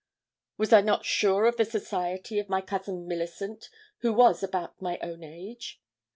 Was I not sure of the society of my Cousin Millicent, who was about my own age?